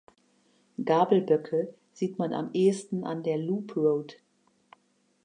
Gabelböcke sieht man am ehesten an der "Loop Road".